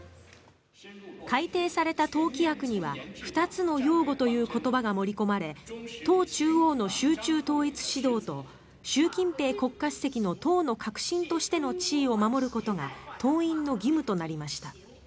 改定された党規約には二つの擁護という言葉が盛り込まれ党中央の集中統一指導と習近平国家主席の党の核心としての地位を守ることが党員の義務となりました。